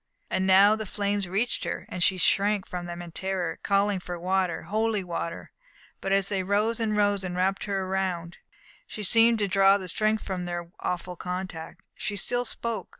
And now the flames reached her, and she shrank from them in terror, calling for water holy water! But as they rose and rose and wrapped her round, she seemed to draw strength from their awful contact. She still spoke.